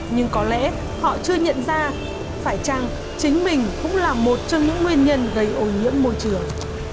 nhưng có lẽ họ chưa nhận ra phải chăng chính mình cũng là một trong những nguyên nhân gây ô nhiễm môi trường